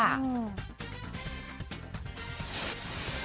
ต่อส่วนประตูเอาละทีห้ามต่อนิยน